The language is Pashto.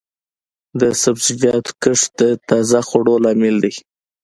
د سبزیجاتو کښت د تازه خوړو لامل دی.